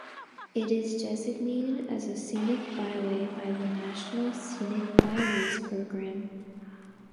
It is designated as a scenic byway by the National Scenic Byways Program.